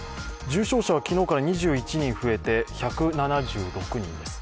重症者は昨日から２１人増えて１７６人です。